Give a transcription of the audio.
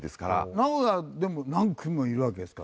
名古屋でも何組もいるわけですか？